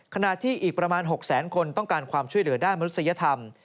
ขณะที่อีกประมาณ๖แสนคนต้องการความช่วยเหลือด้านมนุษยธรรม